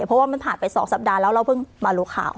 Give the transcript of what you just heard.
เพราะว่ามันผ่านไป๒สัปดาห์แล้วเราเพิ่งมารู้ข่าว